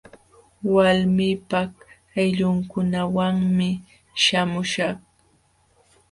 Walmiipaq ayllunkunawanmi śhamuśhaq.